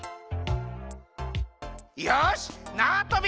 よしなわとび